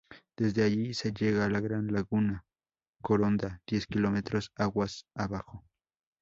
Desde allí se llega a la gran laguna Coronda, diez kilómetros aguas abajo.